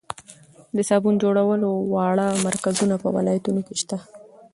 د صابون جوړولو واړه مرکزونه په ولایتونو کې شته.